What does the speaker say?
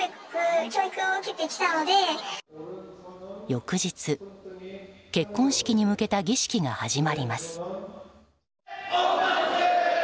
翌日、結婚式に向けた儀式が始まります。